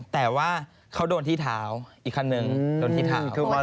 แต่ว่าเขาโดนที่เท้าอีกคันนึงโดนที่เท้า